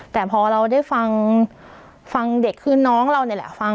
แต่พอเราได้ฟังเด็กคือน้องเราเนี่ยแหละ